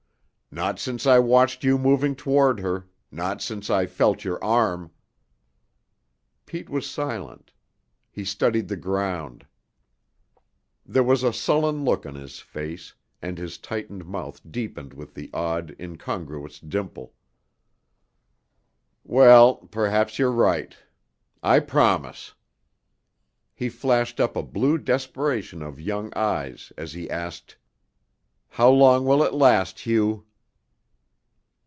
"Not since I watched you moving toward her, not since I felt your arm." Pete was silent. He studied the ground. There was a sullen look on his face, and his tightened mouth deepened the odd, incongruous dimple. "Well, perhaps you're right. I promise." He flashed up a blue desperation of young eyes as he asked: "How long will it last, Hugh?"